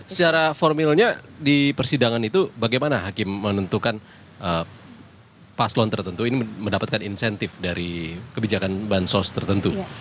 secara formilnya di persidangan itu bagaimana hakim menentukan paslon tertentu ini mendapatkan insentif dari kebijakan bansos tertentu